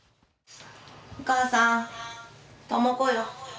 お母さん、智子よ。